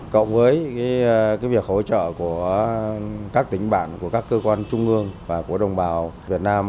cộng với việc hỗ trợ của các tỉnh bản của các cơ quan trung ương và của đồng bào việt nam